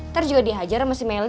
ntar juga dihajar sama si melly